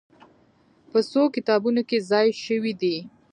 په څو کتابونو کې ځای شوې دي.